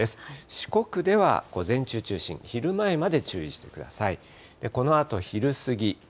四国では午前中中心、昼前まで注意してください。